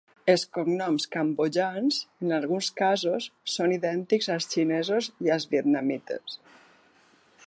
Els cognoms cambodjans, en alguns casos, són idèntics als xinesos i als vietnamites.